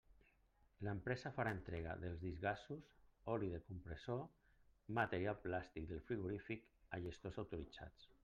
L'empresa farà entrega dels dits gasos, oli del compressor, material plàstic del frigorífic a gestors autoritzats.